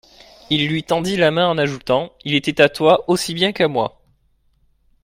Il lui tendit la main en ajoutant : Il était à toi aussi bien qu'à moi.